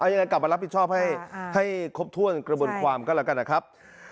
ยังไงกลับมารับผิดชอบให้ครบถ้วนกระบวนความก็แล้วกันนะครับ